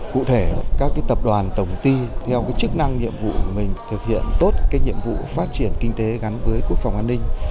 cụ thể các tập đoàn tổng ti theo chức năng nhiệm vụ của mình thực hiện tốt nhiệm vụ phát triển kinh tế gắn với quốc phòng an ninh